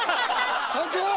サンキュー！